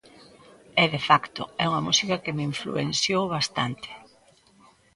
E, de facto, é unha música que me influenciou bastante.